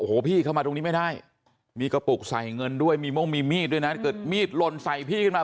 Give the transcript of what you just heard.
ออกไปชั่วโมงนึงย้อนกลับมาแล้วมาทำยังไงไปดูนะฮะ